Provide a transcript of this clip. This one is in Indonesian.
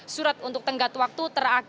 surat untuk tenggat waktu